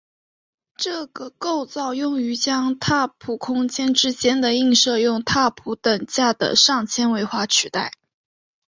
这个构造用于将拓扑空间之间的映射用拓扑等价的上纤维化取代。